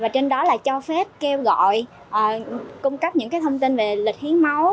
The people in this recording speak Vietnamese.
trên đó là cho phép kêu gọi cung cấp những thông tin về lịch hiến máu